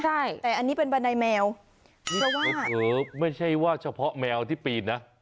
ใช่แต่อันนี้เป็นบันไดแมวไม่ใช่ว่าเฉพาะแมวที่ปีนนะ